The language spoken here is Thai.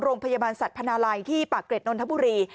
โรงพยาบาลสัตว์พนาลัยที่ปากเกร็ดนนทบุรี